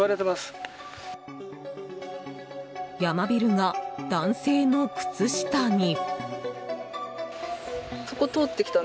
ヤマビルが男性の靴下に。